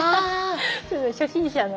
ちょっと初心者の。